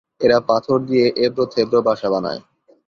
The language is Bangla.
এরা পাথর দিয়ে এবড়ো-খেবড়ো বাসা বানায়।